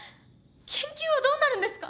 研究はどうなるんですか？